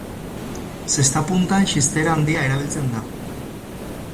Zesta puntan, xistera handia erabiltzen da.